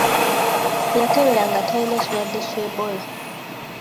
Yakeberwa nga talina kirwadde kya Ebola.